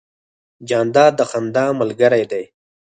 جانداد د خندا ملګری دی.